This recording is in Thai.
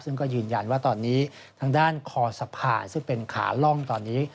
ซึ่งก็ยืนยันว่าตอนนี้ทางด้านคอสะพานซึ่งเป็นขาล่องตอนนี้